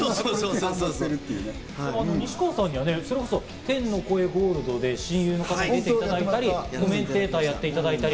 西川さんにはそれこそ天の声ゴールドで、親友さんに出ていただいたり、コメンテーターをやっていただいたり。